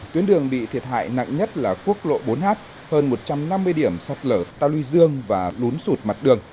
tuyến đường bị thiệt hại nặng nhất là quốc lộ bốn h hơn một trăm năm mươi điểm sọt lở tàu lưu dương và lún sụt mặt đường